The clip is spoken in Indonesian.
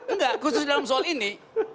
enggak khusus dalam soal ini